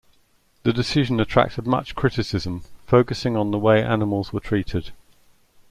The decision attracted much criticism, focusing on the way animals were treated.